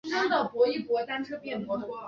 食用时通常切成细条或片状。